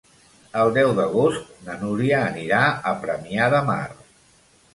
El deu d'agost na Núria anirà a Premià de Mar.